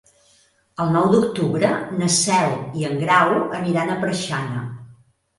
El nou d'octubre na Cel i en Grau aniran a Preixana.